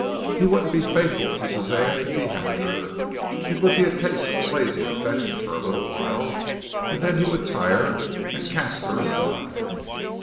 He wouldn't be faithful to Suzanne if he had her. It would be a case of blazing affection for a little while, and then he would tire and cast her aside.